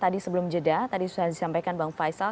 tadi sebelum jeda tadi sudah disampaikan bang faisal